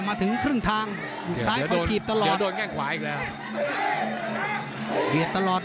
มาถึงครึ่งทางสายไปขีบตลอดเดี๋ยวโดนแก้งขวาอีกแล้ว